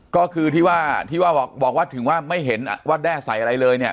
ก็คือที่ว่าที่ว่าบอกว่าถึงว่าไม่เห็นว่าแด้ใส่อะไรเลยเนี่ย